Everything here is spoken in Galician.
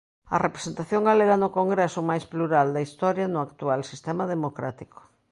A representación galega no Congreso máis plural da historia no actual sistema democrático.